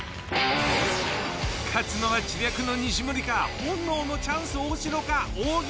勝つのは智略の西森か本能のチャンス大城か？